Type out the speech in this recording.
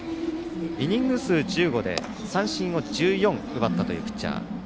イニング数１５で三振を１４奪ったというピッチャー。